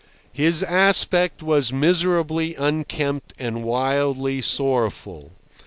His aspect was miserably unkempt and wildly sorrowful.